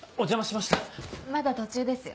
まだ途中ですよ。